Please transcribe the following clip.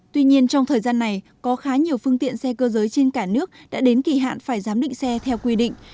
tuy nhiên trong thời gian này có khá nhiều phương tiện xe cơ giới trên cả nước đã đến kỳ hạn phải giám định xe theo quy định